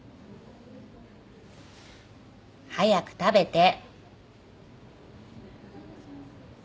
早く食べて